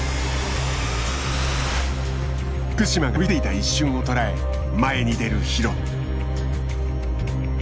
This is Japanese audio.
福島が飛びついた一瞬を捉え前に出る廣田。